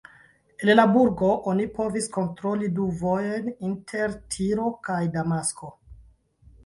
El la burgo oni povis kontroli du vojojn inter Tiro kaj Damasko.